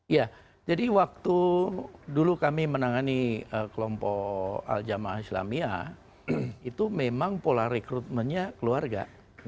ya jadi waktu dulu kami menangani kelompok al jamaah islamia itu memang pola rekrutmennya keluarga